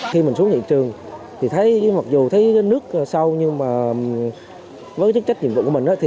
khi mình xuống hiện trường mặc dù thấy nước sâu nhưng với chức trách nhiệm vụ của mình